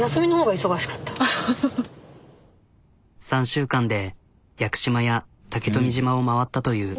３週間で屋久島や竹富島を回ったという。